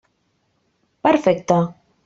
Perfecte!